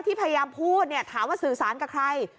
นี่มันเป็นไงนี่มันเป็นไง